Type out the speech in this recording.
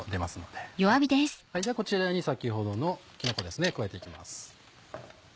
ではこちらに先ほどのきのこですね加えて行きます。